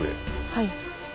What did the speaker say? はい。